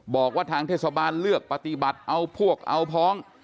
บอกว่าทางเทศบาลเลือกปฏิบัติเอาพวกเอาพ้อง